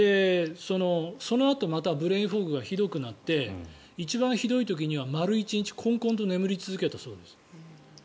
そのあとまたブレインフォグがひどくなって一番ひどい時には丸１日こんこんと眠り続けたそうです。